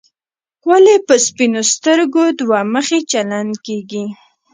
ولې په سپینو سترګو دوه مخي چلن کېږي.